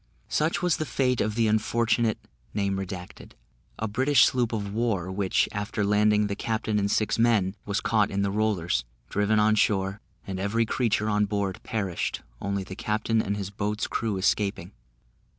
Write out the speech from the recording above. Such was the fate of the unfortunate , a British sloop of war; which, after landing the captain and six men, was caught in the rollers, driven on shore, and every creature on board perished, only the captain and his boat's crew escaping.